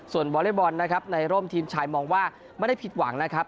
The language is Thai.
ส่วนวอเล็กบอลนะครับในร่มทีมชายมองว่าไม่ได้ผิดหวังนะครับ